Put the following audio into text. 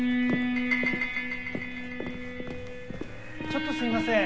ちょっとすいません。